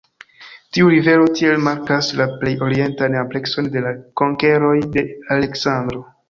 Tiu rivero tiel markas la plej orientan amplekson de la konkeroj de Aleksandro.